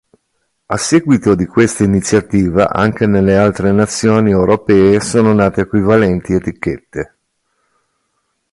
A seguito di questa iniziativa anche nelle altre nazioni europee sono nate equivalenti etichette.